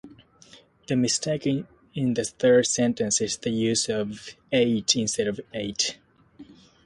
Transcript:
The mistake in the third sentence is the use of "eight" instead of "ate".